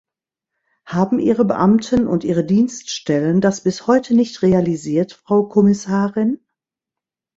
Haben Ihre Beamten und Ihre Dienststellen das bis heute nicht realisiert, Frau Kommissarin?